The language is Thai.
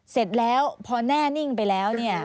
เสร็จแล้วพอแน่นิ่งไปแล้ว